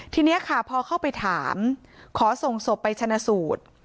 ทีนี้ค่ะพอเข้าไปถามขอส่งศพไปชนะสูตร